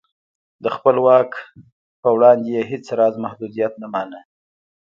د خپل واک پر وړاندې یې هېڅ راز محدودیت نه مانه.